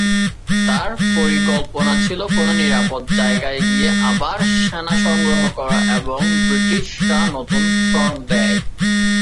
তাঁর পরিকল্পনা ছিল কোনও নিরাপদ জায়গায় গিয়ে আবার সেনা সংগ্রহ করা এবং ব্রিটিশরা নতুন ফ্রন্ট নেয়।